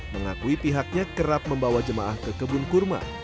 mengakui pihaknya kerap membawa jemaah ke kebun kurma